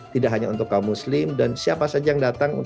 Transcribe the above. tidak hanya untuk kaum muslim dan siapa saja yang datang